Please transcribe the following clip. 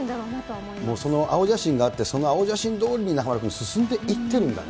もうその青写真があって、その青写真どおりに中丸君、進んでいってるんだよね。